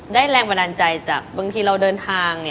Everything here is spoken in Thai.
แรงบันดาลใจจากบางทีเราเดินทาง